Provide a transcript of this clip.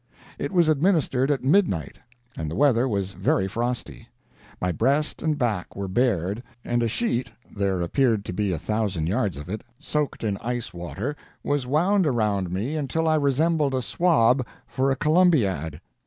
It was administered at midnight, and the weather was very frosty. My breast and back were bared, and a sheet (there appeared to be a thousand yards of it) soaked in ice water, was wound around me until I resembled a swab for a Columbiad.